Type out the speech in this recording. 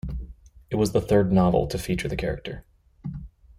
It was the third novel to feature the character.